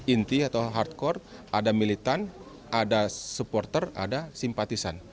inti atau hardcore ada militan ada supporter ada simpatisan